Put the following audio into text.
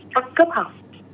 các cấp học